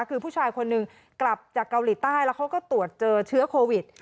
คือผู้ชายคนหนึ่งกลับจากเกาหลีใต้แล้วเขาก็ตรวจเจอเชื้อโควิด